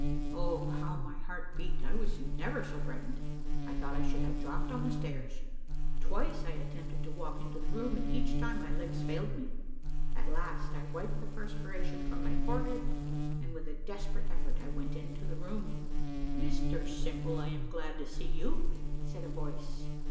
O how my heart beat I never was so frightened I thought I should have dropped on the stairs. Twice I attempted to walk into the room, and each time my legs failed me; at last I wiped the perspiration from my forehead, and with a desperate effort I went into the room. "Mr Simple, I am glad to see you," said a voice.